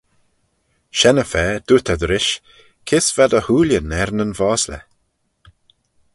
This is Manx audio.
Shen y fa dooyrt ad rish, Kys va dty hooillyn er nyn vosley?